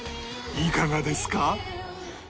いかがですか？